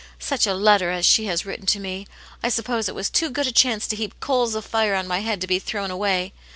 Such a letter as she has written to me ! I suppose it was too good a chance to heap coals of fire on my head to be thrown away.